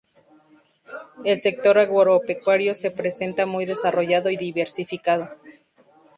El sector agropecuario se presenta muy desarrollado y diversificado.